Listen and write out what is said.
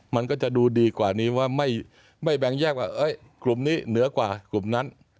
มันก็จะดูดีกว่านี้ว่าไม่แบ่งแยกว่ากลุ่มนี้เหนือกว่ากลุ่มนั้น